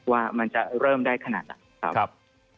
ว่ามันจะเริ่มได้ขนาดไหนครับ